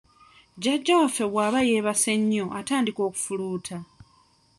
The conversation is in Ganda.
Jjajja waffe bw'aba yeebase nnyo atandika okufuluuta.